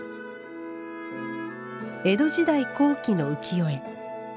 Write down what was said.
江戸時代後期の浮世絵。